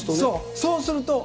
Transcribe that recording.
そうするとね。